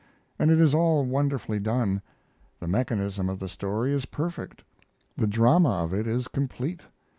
And it is all wonderfully done. The mechanism of the story is perfect, the drama of it is complete.